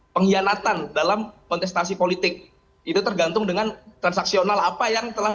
pengkhianatan dalam kontestasi politik itu tergantung dengan transaksional apa yang telah